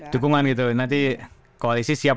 dukungan gitu nanti koalisi siap